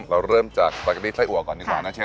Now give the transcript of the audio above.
เราเริ่มจากสปาเกอรี่ไส้อัวก่อนดีกว่านะเชฟ